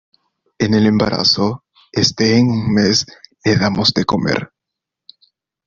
en el embarazo. este, en un mes , le damos de comer .